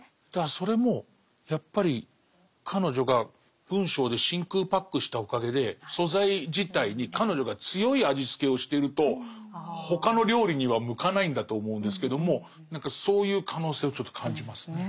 それもやっぱり彼女が文章で真空パックしたおかげで素材自体に彼女が強い味付けをしてると他の料理には向かないんだと思うんですけども何かそういう可能性をちょっと感じますね。